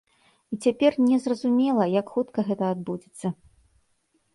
І цяпер не зразумела, як хутка гэта адбудзецца.